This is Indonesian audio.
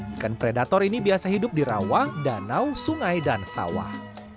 ikan predator ini biasa hidup di rawang danau sungai dan sawah